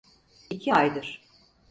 İki aydır.